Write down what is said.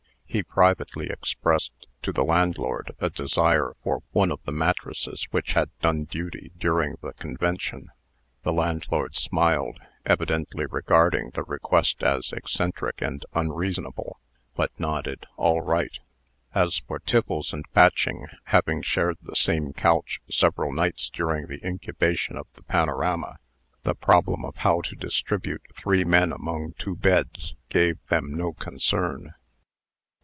He privately expressed to the landlord a desire for one of the mattresses which had done duty during the convention. The landlord smiled, evidently regarding the request as eccentric and unreasonable, but nodded "All right." As for Tiffles and Patching, having shared the same couch several nights during the incubation of the panorama, the problem of how to distribute three men among two beds gave them no concern.